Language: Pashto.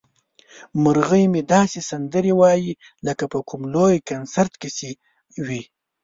مرغۍ مې داسې سندرې وايي لکه په کوم لوی کنسرت کې چې وي.